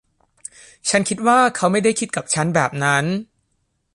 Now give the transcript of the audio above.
ฉันคิดว่าเค้าไม่ได้คิดกับฉันแบบนั้น